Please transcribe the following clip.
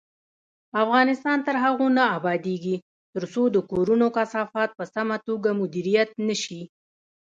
افغانستان تر هغو نه ابادیږي، ترڅو د کورونو کثافات په سمه توګه مدیریت نشي.